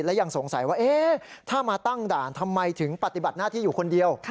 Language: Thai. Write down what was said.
และยังสงสัยว่าถ้ามาตั้งด่านทำไมถึงปฏิบัติหน้าที่อยู่คนเดียว